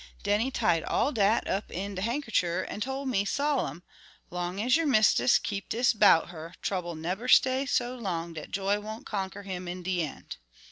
Den he tied all dat up in de hankercher an' tell me solemn: 'Long as yer mistis keep dis 'bout her, trouble'll neber stay so long dat joy won't conquer him in de end.'